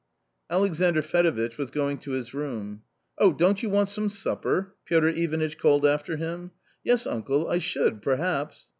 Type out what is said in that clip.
Alexandr Fedovitch was going to his room. "Oh , don't you want some supper?" Piotr I vanitch called after him. n YeSg'uhcle— I should — perhaps."